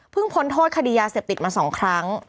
พ้นโทษคดียาเสพติดมา๒ครั้ง